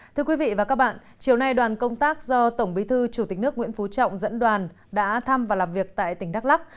thưa quý vị và các bạn chiều nay đoàn công tác do tổng bí thư chủ tịch nước nguyễn phú trọng dẫn đoàn đã thăm và làm việc tại tỉnh đắk lắc